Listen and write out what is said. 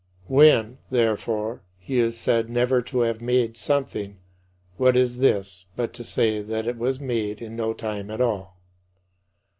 When, therefore, he is said "never to have made" something what is this but to say that it was made in no time at all?